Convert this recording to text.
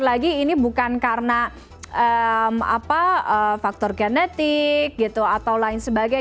lagi ini bukan karena faktor genetik gitu atau lain sebagainya